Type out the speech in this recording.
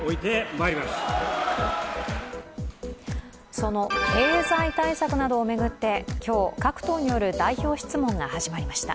その経済対策などを巡って今日、各党による代表質問が始まりました。